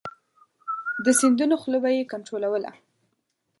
د سیندونو خوله به یې کنترولوله.